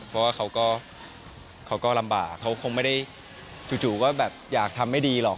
เพราะว่าเขาก็ลำบากเขาคงไม่ได้จู่ก็แบบอยากทำไม่ดีหรอก